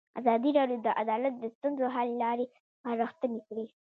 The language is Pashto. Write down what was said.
ازادي راډیو د عدالت د ستونزو حل لارې سپارښتنې کړي.